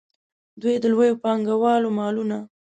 دوی د لویو پانګوالو مالونه.